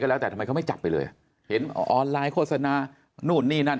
แล้วแต่ทำไมเขาไม่จับไปเลยเห็นออนไลน์โฆษณานู่นนี่นั่น